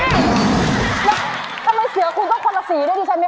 แล้วทำไมเสือคุณก็คนละสีด้วย